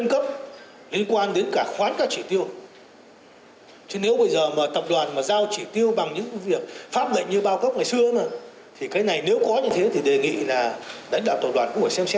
cho tkv rất lớn